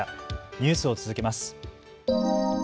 ニュースを続けます。